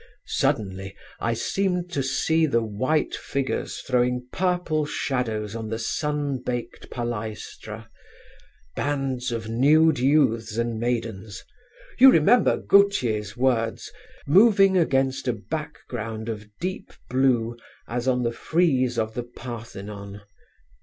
Suddenly I seemed to see the white figures throwing purple shadows on the sun baked palæstra; 'bands of nude youths and maidens' you remember Gautier's words 'moving across a background of deep blue as on the frieze of the Parthenon.'